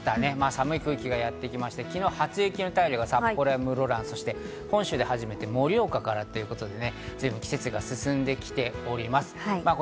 寒い空気がやってきまして、昨日、初雪の便りが札幌や室蘭、本州で初めて盛岡からということで随分、季節が進んできております。